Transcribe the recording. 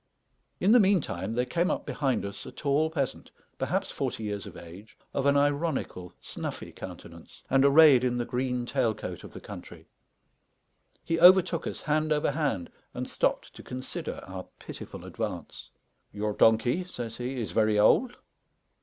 In the meantime there came up behind us a tall peasant, perhaps forty years of age, of an ironical snuffy countenance, and arrayed in the green tail coat of the country. He overtook us hand over hand, and stopped to consider our pitiful advance. "Your donkey," says he, "is very old?"